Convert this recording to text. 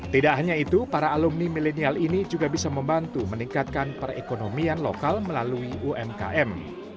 tidak hanya itu para alumni milenial ini juga bisa membantu meningkatkan perekonomian lokal melalui umkm